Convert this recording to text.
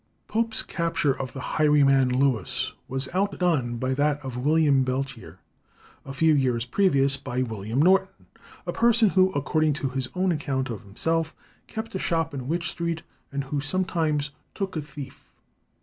'" Pope's capture of the highwayman Lewis was outdone by that of William Belchier, a few years previous, by William Norton, a person who, according to his own account of himself, kept a shop in Wych Street, and who "sometimes took a thief."